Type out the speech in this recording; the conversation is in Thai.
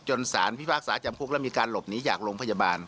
สารพิพากษาจำคุกแล้วมีการหลบหนีจากโรงพยาบาล